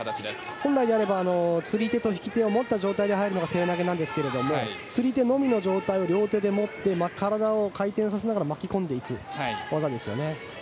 本来であれば釣り手と引き手を持った状態でなのですが釣り手のみの状態で持って体を浮かせて巻き込んでいく技ですよね。